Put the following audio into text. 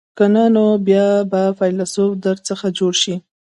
که نه نو بیا به فیلسوف در څخه جوړ شي.